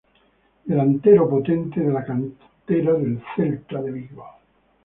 Delantero potente de la cantera del Celta de Vigo.